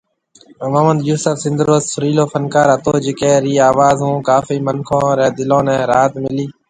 محمد يوسف سنڌ رو سريلو فنڪار هتو جڪي رِي آواز هون ڪافي منکون ري دلون ني راحت ملي